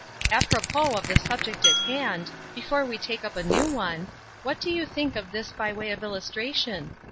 "Apropos of the subject in hand, before we take up a new one, what do you think of this by way of illustration?"